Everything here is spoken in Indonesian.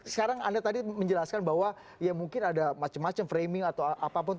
sekarang anda tadi menjelaskan bahwa ya mungkin ada macam macam framing atau apapun